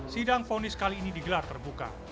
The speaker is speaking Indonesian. sidang fonis kali ini digelar terbuka